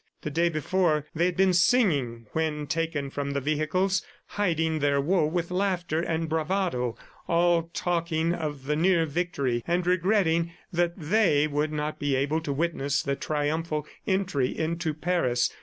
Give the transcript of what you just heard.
The day before they had been singing when taken from the vehicles, hiding their woe with laughter and bravado, all talking of the near victory and regretting that they would not be able to witness the triumphal entry into Paris.